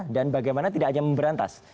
dan bagaimana tidak hanya memberantas